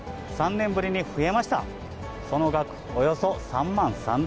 ３年ぶりに増えました。